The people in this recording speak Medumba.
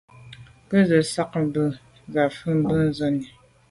Nkwé ze nkàb zə̄ à fâ’ bû zə̀’nì.